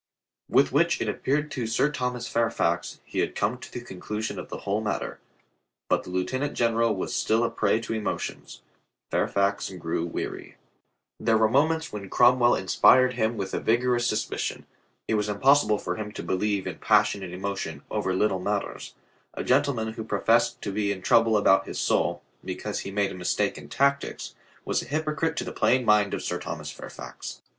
With which it appeared to Sir Thomas Fairfax, he had come to the con clusion of the whole matter. But the lieutenant general was still a prey to emotions. Fairfax grew weary. There were moments when Cromwell inspired him with a vigorous suspicion. It was impossible for him to believe in passionate emotion over little mat ters. A gentleman who professed to be in trouble about his soul because he made a mistake in tactics, was a hypocrite to the plain mind of Sir Thomas Fairfax.